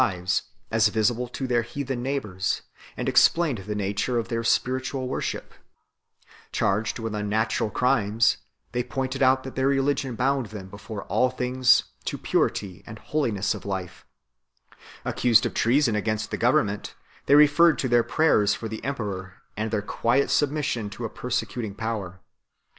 lives, as visible to their heathen neighbours, and explained the nature of their spiritual worship ; charged with un natural crimes, they pointed out that their religion bound them before all things to purity and holiness of life; accused of treason against the government, they referred to their prayers for the emperor and their quiet sub mission to a persecuting power.